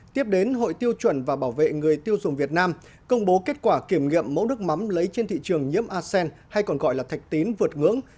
tiếp đến hội tiêu chuẩn và bảo vệ người tiêu dùng việt nam công bố kết quả kiểm nghiệm mẫu nước mắm lấy trên thị trường nhiễm asean hay còn gọi là thạch tín vượt ngưỡng